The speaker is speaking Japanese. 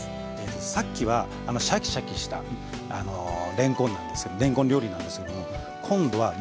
さっきはシャキシャキしたれんこん料理なんですけども今度はもっちり。